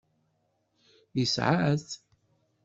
Yesɛa-t.